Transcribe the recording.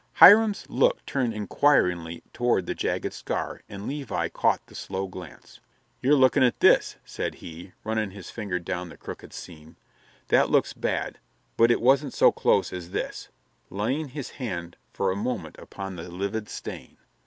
Hiram's look turned inquiringly toward the jagged scar and Levi caught the slow glance. "You're lookin' at this," said he, running his finger down the crooked seam. "That looks bad, but it wasn't so close as this" laying his hand for a moment upon the livid stain.